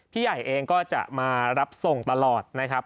ใหญ่เองก็จะมารับส่งตลอดนะครับ